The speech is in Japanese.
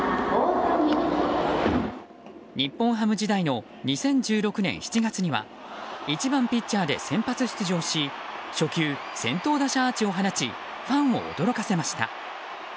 日本ハム時代の２０１６年７月には１番ピッチャーで先発出場し初球、先頭打者アーチを放ちファンを驚かせました。